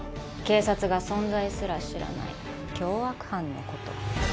警察が存在すら知らない凶悪犯のこと